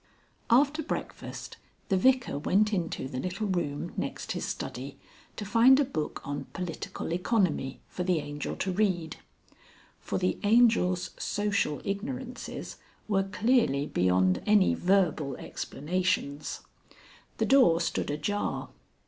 XXIII. After breakfast the Vicar went into the little room next his study to find a book on Political Economy for the Angel to read. For the Angel's social ignorances were clearly beyond any verbal explanations. The door stood ajar.